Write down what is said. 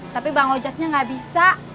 tapi bang ojaknya gak bisa